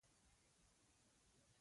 • نجونه د ونې لاندې کښېناستې.